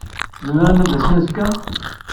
Zemren ad d-asen azekka?